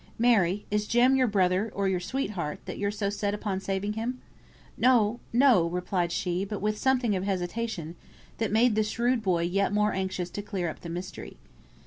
"Mary, is Jem your brother, or your sweetheart, that you're so set upon saving him?" "No no," replied she, but with something of hesitation, that made the shrewd boy yet more anxious to clear up the mystery.